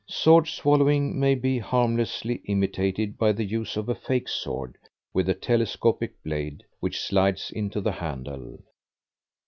Sword swallowing may be harmlessly imitated by the use of a fake sword with a telescopic blade, which slides into the handle.